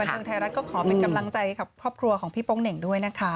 เทิงไทยรัฐก็ขอเป็นกำลังใจกับครอบครัวของพี่โป๊งเหน่งด้วยนะคะ